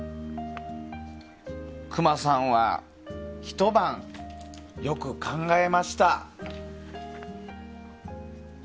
クマさんはひと晩よく考えました。